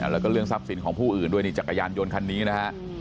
แล้วก็เรื่องทรัพย์สินของผู้อื่นด้วยนี่จักรยานยนต์คันนี้นะฮะ